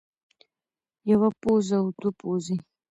يوه پوزه او دوه پوزې